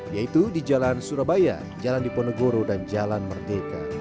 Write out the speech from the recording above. yaitu di jalan surabaya jalan diponegoro dan jalan merdeka